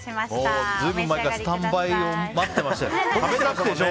随分前からスタンバイ、待ってましたよ。